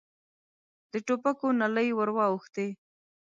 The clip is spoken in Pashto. د ټوپکو نلۍ ور واوښتې.